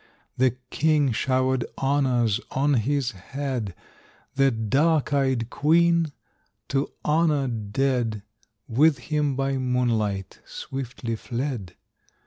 The king showered honors on his head; The dark eyed queen, to honor dead, With him by moonlight swiftly fled.